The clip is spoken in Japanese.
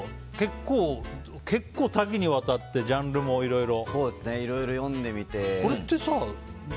結構多岐にわたってジャンルもいろいろ。